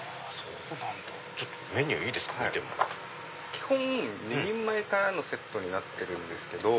基本２人前からのセットになってるんですけど。